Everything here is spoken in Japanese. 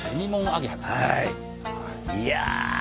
いや！